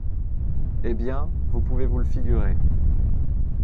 Eh bien, vous pouvez vous le figurer.